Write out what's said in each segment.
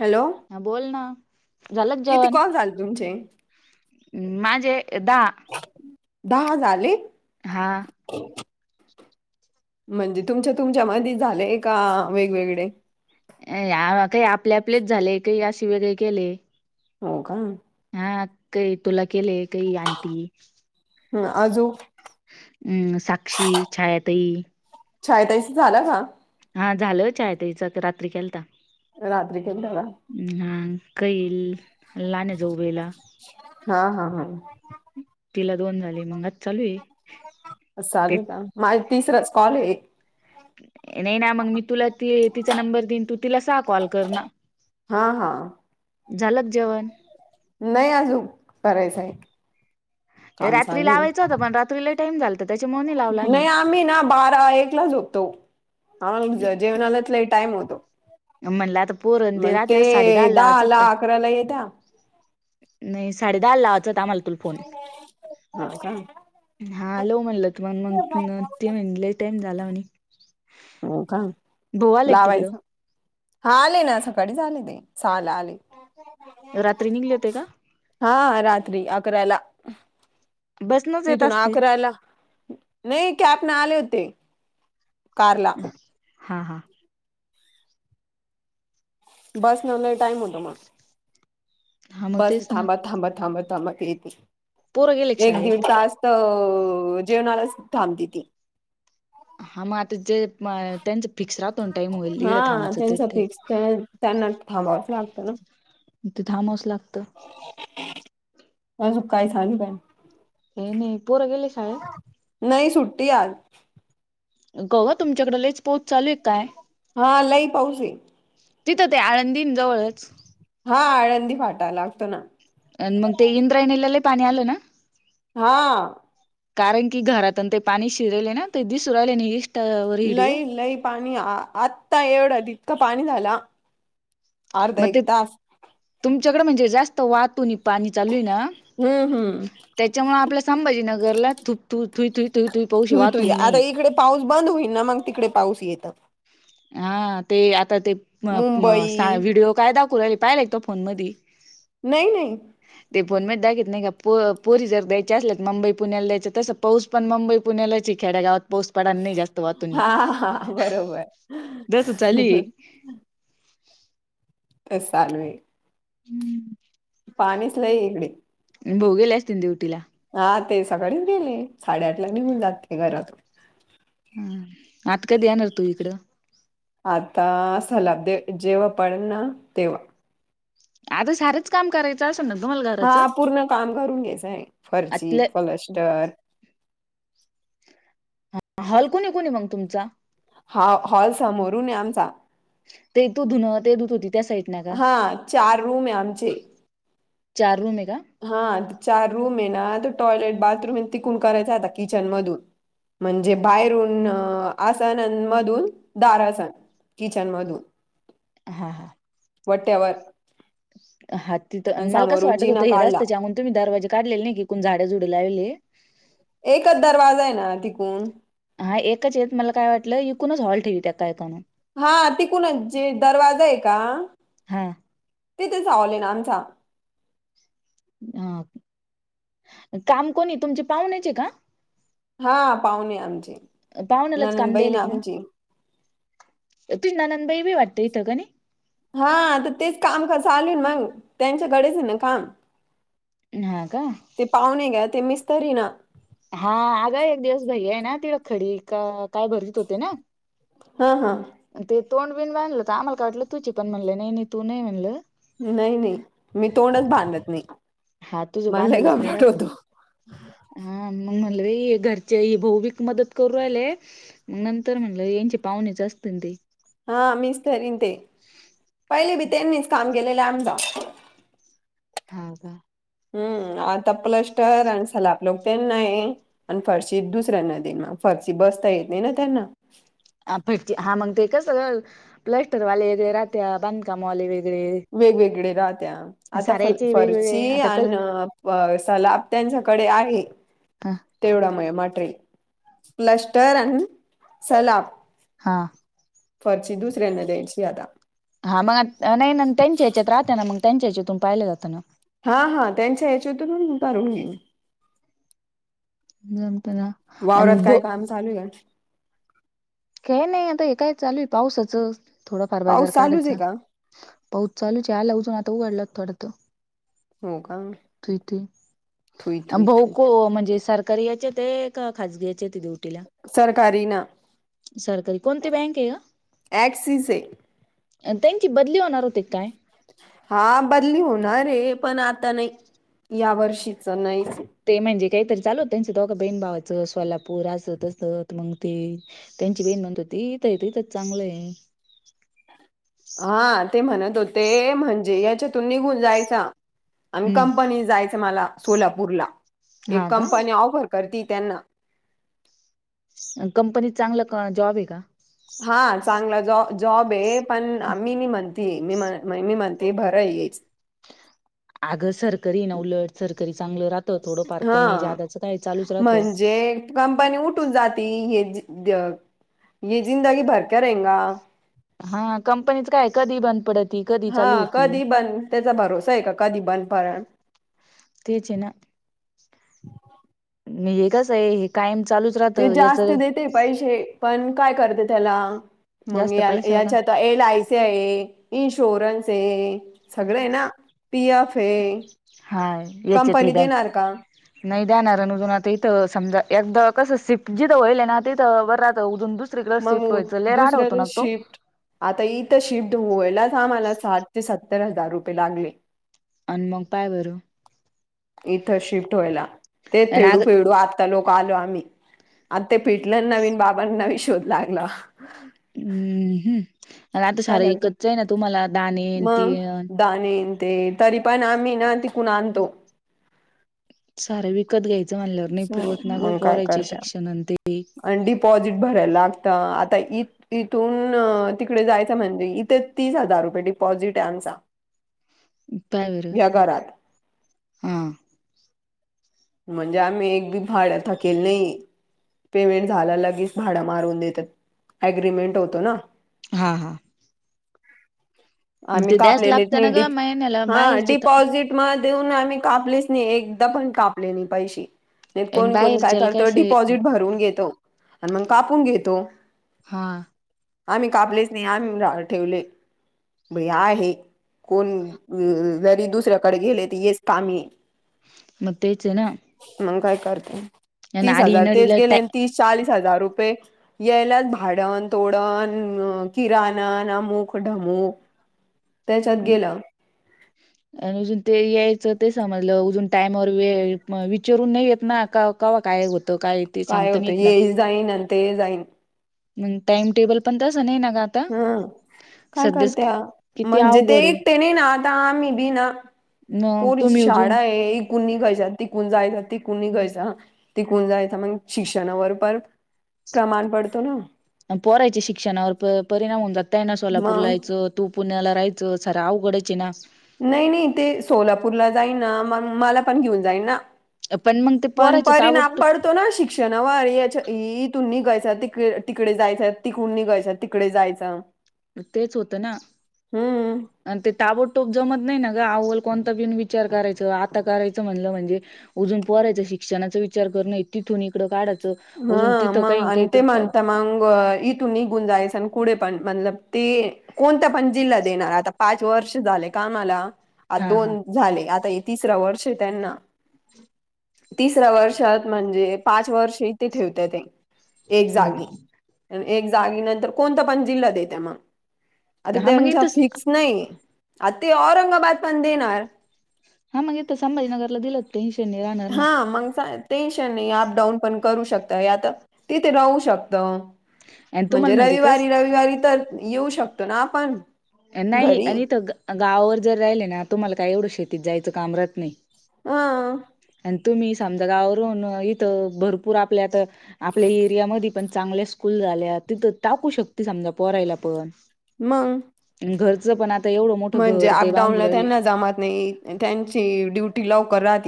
Hello हं.. बोल ना! झालं का किती जेवण? कॉल झाले तुमचे? हम... माझे दहा. दहा झाले? हा. म्हणजे, तुमच्या-तुमच्या मधेच झालंय का? वेगवेगळे आपले आपलेच झाले काही अशे वेगळे केले हो, का? काही तुला केले, काही अंटी हम्म अजून हम्म साक्षी, छाया ताई छाया ताईचं झाला का? हा झालं छाया ताईचं, आता रात्री केलता. रात्री कधी झाला? कईल लान जोवेला हा हा हा तिला दोन झाले. मंग आत सालू ला माझा, तिसराच कॉल आहे. नाही ना! मग मी तुला त तिचा नंबर देईन, तू तिला सहा कॉल कर ना. हा.. हा.. झालं का जेवण? नाही आजून, करायचंय. काम रात्री चालू लावायचं होता आहे. पण रात्री लय टाइम झालता त्याच्यामुळे लावला मी नाही आम्ही ना, बारा- एकला झोपतो. हं.. जेवणालयात लई टाइम होतो. म्हणलं आता पोरं ते मग राहतेत, ते साडेदहालाच दहाला झोपतय. अकराला येत्या नाही साडेदहाला लावायचा होता, आम्हाला तुला फोन. हो का नाही हा, लाव म्हणलं होतं. म मंग ती म्हणली लई टाईम झाला म्हणे. हो का? भाऊ आले का लावायच तिकडं? हा, आले ना. सकाळीच आले मी सहाला आले. रात्री निघले होते का? हा रात्री अकराला बसनंच येत तिथून असतील. आकरायला, नाही कॅपन आले होते. कारला हा हा बसनं लई टाईम होतो मग. हा मग बस तेच ना. थांबत थांबत थांबत थांबत येती. पोरं गेले का एक दीड शाळेत? तास तर अ जेवणालाच थांबती ती. हा मग आता जे म- त्यांचं फिक्स राहतो ना टाईम होईल हा इकडं थांबायचं त्यांचा तिथे. फिक्स त्यांना थांबावचं लागतं ना! तिथं थांबावंच लागतं मग झोपायचं आणि काय? हे नाही, पोरं गेले शाळेत? नाही, सुट्टी आज गवा तुमच्याकड लईच पाऊस चालू आहे काय? हा लय पाऊस आहे तिथं ते आळंदीन जवळच? हा आळंदी फाटा लागतो ना. अ मग ते इंद्रायणीला लय पाणी आलं ना. हा. कारण कि घरातन ते पाणी शिरले ना ते दिस राहिले नाही इस्टा वर व्हिडिओ. लई लई पाणी आत्ता एवढं इतकं पाणी झाला. अर्धा मग ते एक तास तुमच्याकडे म्हणजे जास्त वाहतूनी पाणी चालू आहे ना? हम्म हम्म. त्याच्यामुळे आपल्या संभाजी नगरला थूप थुईथुई तु पहशी तुई वाहून तुई ह आता नाही. इकडे पाऊस बंद होईनना मग तिकडे पाऊस येत. हा ते आता ते मुंबई व्हिडिओ काय दाखवला पाहिले का फोन मध्ये? नाही नाही. फोनमध्ये दाघवत नाही का प पोरी जर द्यायची असल तर मुंबई पुण्याला द्यायचं तस पाऊस पण मुंबई पुण्यालाची आहे खेड्यागावात. पाऊस पड नाही जास्त वाहतो. हम्. अस सान. हम्म. पाणीच नाहीई इकडे. ब भाऊ गेलेच त तेे उटीला? हा ते सकाळीच गेले साडेआठ ला निघून जाते घरातून. हा आता कधी येणार तू इकडं? आता असल जेव्हा पडेल ना तेव्हा. आता सारंच काम करायचं असत हा पूर्ण काम करून घ्यायचय फरशी, आतल्या प्लास्टर ह हल कोणी कोणी आहे मग तुमचा? हा हॉल समोरून आहे आमचा. ते तू धुनं ते धुत होती त्या साईड ना का हा चार रूम आहे आमचे. चार रूम एक हा चार रूम आहे ना त टॉयलेट बाथरूम आहे तिकून करायचा आता किचन मधून. म्हणजे बाहेरून आसान मधून दारासन. किचन मधून. हा हा. वट्यावर ह. हा तिथं आणि मला कं वाटत हों जिना हेिराचत काढला त्याच्याममुळे तुम्हीरवाजे काढले नाही की कोण झाडजुड लावले. एकच दरवाजा आहे ना तिकून. हा एकच येत मला काय वाटलं इिकूनच हॉल ठेवी त्या कायत म्हणून. हा तिकून जे दरवाजा आहे का. हा ते त्याचा ले ना आमचा. हा काम कोणी तुमचे पाहुण्याचे का? हा पावणे आमची. नन दबई ना आमची. त ननंदबाई बी वाटत इथं का नाही? हा तर तेच काम चालू मग त्यांच्या घडेच ना काम. हा का ते पाहुणे घ्या ते मिस्तरी ना. हा आग एक दिवस भाई आहे ना तिला खडी का काय भरतीत होते ना. हा हा. ते तोंड बिन बांधलं तर आम्हाला का वाटलं तुच पण, म्हणले नाही नाही तू नाही म्हणलं. नाही नाही मी तोंडच बांधत नाही. हा तुझ मला लय बांधलच नाही घबराट रात ना होतो. हा. म म्हणल ते घरचे भाऊविक मदत करू रालेय म नंतर म्हणल यांचे पाहुणेच अस तील ते हा मिस्तरीन ते पहिले बी त्यांनीच काम केलेले आमचा. हा का? हम्म. आता प्लॅस्टर आणि सलाप लोपेक नाही आणि फरशी दुसऱ्यांना देनार फरशी बस ता येत नाही ना त्यांना. ह पट हा मग ते कसं प्लॅस्टरवाले येगळे रात्या बांधकामवाले वे वेगवेगळे राहत्या. आता फ साऱ्याचे वेगवेगळे फर्ची आता कल आणि सलाब त्यांच्याकडे आहे. हा तेवडा मय मटेरेल प्लॅस्टर अन् सलाप हा. फर्ची दुसऱ्यांना द्यायची आता. हा मग नाही ना त्यांच्या ह्याच्यात राहते ना मग त्यांच्या याच्यातून पाहिलं जातं ना. हा हा त्यांच्या याच्यातून करून घेईन. जमतना अल् वावरात बु काय काम चालू आहे? काय नाही आता हे काय चालू आहे पावसाच. थोडाफार बाजार पाऊस चालूच आहे काढायचा, का? पाऊच चालूच आला अजून आता उघडलं थोडं तर हो का? ते ते थुई आणि थुई थुई भाऊको म्हणजे सर कारी याचे ते का खाजगी याच्यात आहे ड्युटीला सरकारी ना सरकारी कोणती बँक आहे गं, ऍक्सिस आहे त्यांची बदली होणार होती काय? हा बदली होणार आहे पण आता नाही या वर्षीच नाहीच. ते म्हणजे काहीतरी चालू त्यांचं दोघं बहिन भावाचं सोलापूर असं तसं मंग ते त्यांची बहिण म्हणत होती तथय त इथंच चांगलं आहे [inaudible] हा ते म्हणत होते म्हणजे याच्यातून निघून जायचा आणि हम्म कंपनी जायच मला सोलापूरला एक हा कंपनी का ऑफर करती त्यांना कंपनीत चांगला का जॉब आहे का? हा चांगला जाॅ जॉब आहे पण मी नाही म्हणत मी मी म्हणते भर आहे येच आगं सरकारी ना उलट सरकरी चांगलं राह हा राहतं म्हणजे कंपनी उठ न जाती मी जिंदगी भर करेंगा. हा कंपनीच काय कधीही बंद पडेल. हा कधी बंद त्याचा भरोसा आहे का कधी बंद पण तेच आहे ना म हे कस आहे कायम चालूच ते राहतं याच जास्त देते पैसे पण काय करते त्याला मग जास्त या पैशाल का याच्यात ए लायसे आहे इन्शोरन्स हे सगळे ना पी एफ हे हा याचेेत बँक नाही जाणार अजून आता इथं समजा एकदा कसं सिफ्ट जिथं होईल ना तिथं बरं [unintelligible] मग शिफ्ट व्हायचं लय राडा होतो दुसरं ना तो शिफ्ट आता इथं शिफ्ट होयलच आम्हाला साठ ते सत्तर हजार रुपये लागले. आणि मग पाय बरं. इथं शिफ्ट व्हायला तेच आणि फेडू अग फेडू आ ता लोक आलो आम्ही आता ते फिटलं नवीन बाबांना वी शोध लागला. हम्म हम्म आणि आता काय सारं करता ईकतच आहे ना तुम्हाला दाने येन ते मग येन दाणे ते तरी पण आम्ही ना तिकून आणतो सारं विकत घ्यायचं म्हणल्यावर नाही पुरवत ना ग मग काय परायचे करत्या शिक्षण ते आणि डिपॉझिट भरायला लागतं आता इ इथून तिकडे जाय म्हणजेथे तीस हजार रुपये डिपॉिझिटचा इपय वर हा म्हणजे आम्ही एक बी भाड थकल नाही पेमेंट झाला लगेच भाडा मारून देतात अग्रीमेंट होतो ना हा हा आम्ही ते द्याच लागतं ना कापलेली ग महिन्याला हा बाहेरची डिपॉझिट म देऊन आम्ही कापलेच नाही एकदा पण कापले नाही पैसे नाही कोणी कोणी काय बाहेरच्याला करतो सोय डिपॉझिट भरून घेतो आणि मग कापून घेतो हा आम्ही कापलेच नाही आम्ही ठेवले भई आहे कोण जरी दुसऱ्याकडे गेले तर येस काम्ही मत् यचे ना काय आणि तीस आडी हजार तेच नडीला गे टा त चास हजार रुपये यायलाच भाडन तोडण किराणा अमुक ढमुूक त्याच्यात गेला आणि अजून ते यायचं ते समजलं अजून टाईमवर वेळ विचारून नाही येत ना का कावा काय होत त काय ते सांगता नाही होतं ना ये जाईन आणि ते जाईन. ग टाइम टेबल पण तस हम काय सध्याच करत्या किती म्हणजे ते अवघड आहे एक ते नाही ना आ आतामही बी ना मग पोरी तुम्ही अजून शाळा ये इिकून निघाच्याात तिकून जायात तिकून निघायच तिकून जायच मग शिक्षणावर पण प्रमाण पडतो ना पोरांना याचे शिक्षणावर परिणाम होऊन जातय ना सोलापूर ला मग यायचं तू पुण्याला प्राच सर आवघड चि ना नाही नाही ते सोलापूरला जाई ना म मला पण घेऊन जाईन ना पण मग ते पोरायचं पणतरी ना ताबडतोब पडतो ना शिक्षणावर याच्या ह तु गच तिकडे तिकडे जायचं तिकुून निघायच्या तिकडे जायचं तेच होत ना आणि ते ताबोटोब जम नाही ना ग आवल कोणता पिन विचार करायचं आता करायचं म्हणलं म्हणजे अजून पडायचं शिक्षणाच विचार कर नाही तिथून इकडं काढा हा मग आणते म्हणता मग इ तु नि गुंजायस कुढे पण मणल ते कोणता पण जिल्हा देणार आता पाच वर्ष झाले कामला आज हा हा दोन झाले आता हे तिसरां वर्ष त्यांना तिसऱ्या वर्षात म्हणजे पाच वर्ष ते ठेवते ते एक हा जागी एक जागी नंतर कोणता पण जिल्हा देत मग आता हा मग त्यांच्या इथं फिक्स नाही आ ते औरंगाबाद पण देणार हा मग इथ संभाजीनगरला दिलं टेन्शनने राहणार हा ना मग टेन्शन नाही अप डाऊन पण करू शकता आता तिथे राहू शकत आणि म्हणजे तुम्हाला कस रविवारी रविवारी तर येऊ शकतो ना आपण नाही घरी आणिथ गावावर जर राहिले ना तुम्हाला काय एवढं शेतीत जायचं काम रहत नाही हा आणि तुम्ही समजा गावर इथ भरपूर आपल्या आपल्या एरियामध्ये पण चांगल्या स्कूल झाल्या तिथं टाकू शकते समजा पराायला पण मग घरचं पण आता एवढं मोठं म्हणजे घर ते बांधू अपडाऊनला राहिले त्यांना जमत नाही त्यांची ड्युटी लवकर राह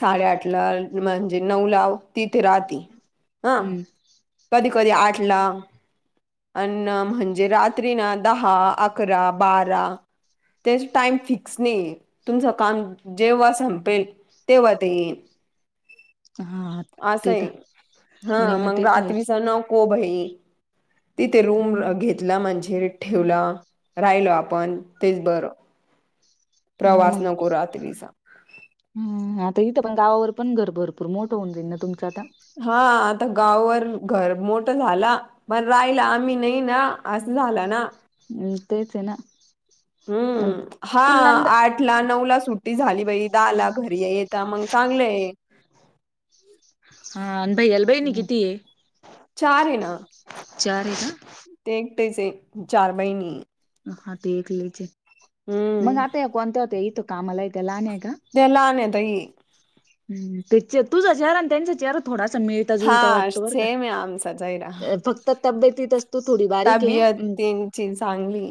साडेआठ ला म्हणजे नऊ ला तिथे राात्री हा हम्म कधी कधी आठला अन्न म्हणजे रात्री ना दहा अकरा बारा त्याच टाइम फिक्स नाही तुमचं काम जेव्हा संपेल तेव्हा ते येईन हा असं ते तर आहे हा नाही ना मग ते तर आहेच रात्रीचा नको भई तिथे रूम घेतला म्हणजे ठेवला राहिलो आपण तेच बरं ह प्रवास मग नको रात्रीचा तर इथ पण गावावर पण घर भरपूर मोठं होऊ जाईल ना तुमं आता हा आता गाववर घर मोठं झाला पण राहिला आम्ही नाही ना अस झालं ना तेच ना अन हम्म हा तुला नंद आठ ला नऊ ला सुट्टी झाली बा दला घरी येत मग चांगलंय हा अनभई अलबाईणी किती आहे चार आहे ना चार ना टेचे चार बहिणी का हा ते एकऐ लचे मग हम्म आता कोणत्या होत इथं कामाला य लहान नलाने तई हम तुझा चेहरा आणि त्यांचा चेहरा थोडा मिळता जुता हा वाटतो बर सेम आहे आमचा चेहरा का फक्त तब्येतेत असतो थोडी बारीक आहे तनची चांगली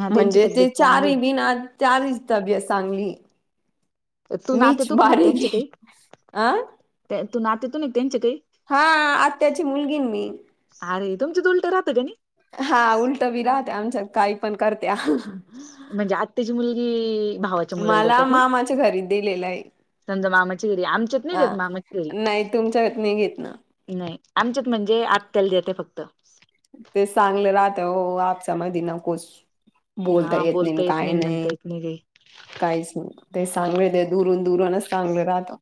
हा त्यांची म्हणजे तब्येत ते चार चांगली आहे. बिन चारचभ चांगली तू नाते मीच तूक नाही बारीक त्यांचे काही अं त्या- तू नातेतो नाही त्यांच्या काही हा आ त्याची मुलगी मी अरे तुमं दुलटं राहं का नाही हा उलट बी राहते आमच्या काही पण करते म्हणजे आत्ताची मुलगी भावाच्या मुलाला मला देतात ना मामाच्या घरी दिलेलं आहे समजा मामाचीगिरी आमच्यात हा नाहीतेत मामाचीगरी नाही तुमच्यात नाही घेत ना नाही आमच्यात म्हणजे आत्याला देते फक्त [inaudible] ते चांगले राहत हो आपच्या मध नकोच बोलता येत नाही काही नाही काहीच नाही ते सांग दुरून दुरूनच चांगलं राहतो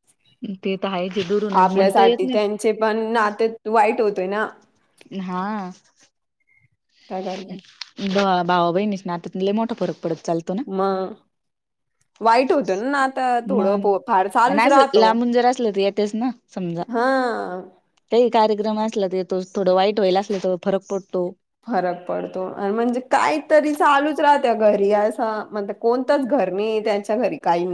ते तर आहे जे दुरूनच म्हणता येत आपल्यासाठी नाही त्यांचे पण ना ते वाईट होतोय ना हा काय करता ब भाबावा बहिणीच नातले मोठ फकडतो म वाईट होतं ना ना आता मग थोडं फार आणि चालूच अस राहतो लांबून जर असलं तर येतेच ना समजा हा काही कार्यक्रम असला तरेतो थोडं वाईट व्हाल असलथोड फरक पडतो फरक पडतो म्हणजे काहीतरी चालूच राहत घरी असं म्हण कोणतच घर नाही मी त्यांच्या घरी काही नाही